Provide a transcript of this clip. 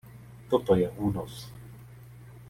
Toto je únos.